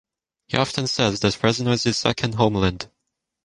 He often says that Fresno is his second homeland.